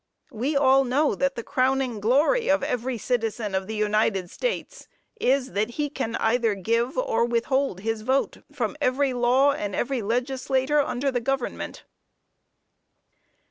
We all know that the crowning glory of every citizen of the United States is, that he can either give or withhold his vote from every law and every legislator under the government.